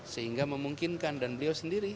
sehingga memungkinkan dan beliau sendiri